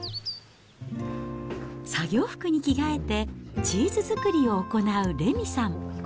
作業服に着替えてチーズ作りを行う玲美さん。